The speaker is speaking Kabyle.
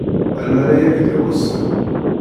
A lmalayek d-iɛussen.